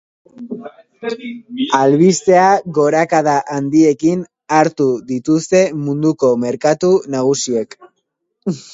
Albistea gorakada handiekin hartu dituzte munduko merkatu nagusiek.